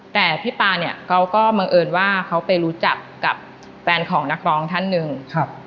แต่พี่ปาเนี่ยเขาก็บังเอิญว่าเขาไปรู้จักกับแฟนของนักร้องท่านหนึ่งครับ